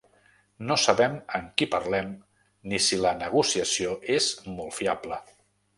No sabem amb qui parlem ni si la negociació és molt fiable.